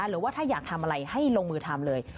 หรือว่าถ้าอยากทำอะไรให้ลงมือทำเลย